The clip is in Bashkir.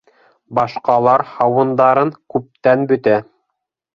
Башҡалар һауындарын күптән бөтә.